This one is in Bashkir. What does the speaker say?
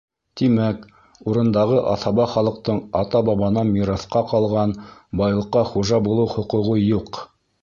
Тимәк, урындағы аҫаба халыҡтың ата-бабанан мираҫҡа ҡалған байлыҡҡа хужа булыу хоҡуғы юҡ.